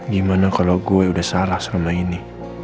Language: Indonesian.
gimana kalau gue udah salah selama ini